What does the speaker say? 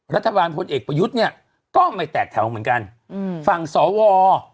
พลเอกประยุทธ์เนี่ยก็ไม่แตกแถวเหมือนกันฝั่งสว